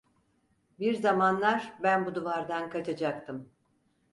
Bir zamanlar ben bu duvardan kaçacaktım!